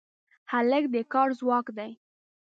هلک د کار ځواک دی.